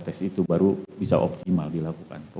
tes itu baru bisa optimal dilakukan